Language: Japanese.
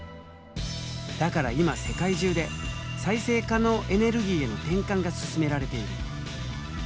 だから今世界中で再生可能エネルギーへの転換が進められている。